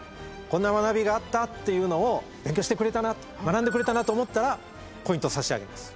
「こんな学びがあった」っていうのを勉強してくれたなと学んでくれたなと思ったらポイント差し上げます。